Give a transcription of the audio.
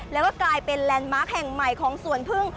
แล้วก็กลายเป็นแลนด์มาร์คแห่งใหม่ของสวนพึ่ง